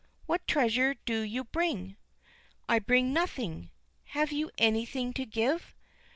What treasure do you bring?" "I bring nothing. Have you anything to give?"